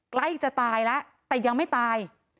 ใกล้จะตายแล้วแต่ยังไม่ตาย